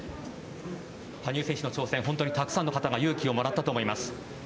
羽生選手の挑戦、本当にたくさんの方が勇気をもらったと思います。